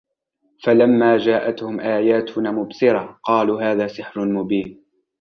فلما جاءتهم آياتنا مبصرة قالوا هذا سحر مبين